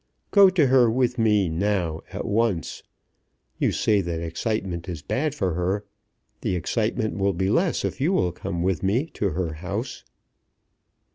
"Go to her with me now, at once. You say that excitement is bad for her. The excitement will be less if you will come with me to her house."